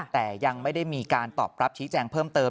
แต่ยังไม่ได้มีการตอบรับชี้แจงเพิ่มเติม